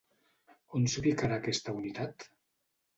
On s'ubicarà aquesta unitat?